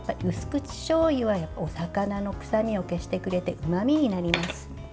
うす口しょうゆはお魚の臭みを消してくれてうまみになります。